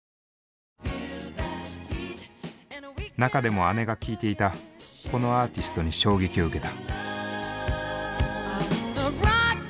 中でも姉が聴いていたこのアーティストに衝撃を受けた。